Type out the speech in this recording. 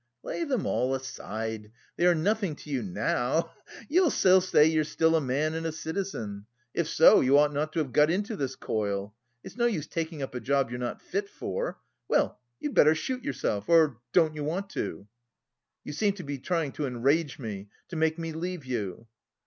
Lay them all aside. They are nothing to you now, ha ha! You'll say you are still a man and a citizen. If so you ought not to have got into this coil. It's no use taking up a job you are not fit for. Well, you'd better shoot yourself, or don't you want to?" "You seem trying to enrage me, to make me leave you."